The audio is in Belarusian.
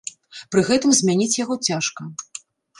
Пры гэтым змяніць яго цяжка.